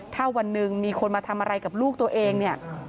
ถ้าวันหนึ่งมีคนมาทำอะไรกับลูกตัวเองเนี่ย